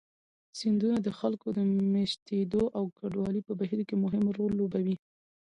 سیندونه د خلکو د مېشتېدو او کډوالۍ په بهیر کې مهم رول لري.